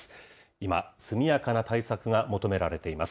今、速やかな対策が求められています。